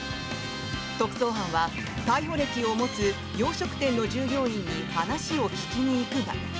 特捜班は逮捕歴を持つ洋食店の従業員に話を聞きに行くが。